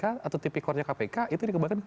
atau tipikornya kpk itu dikembalikan